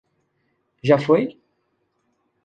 Já foi?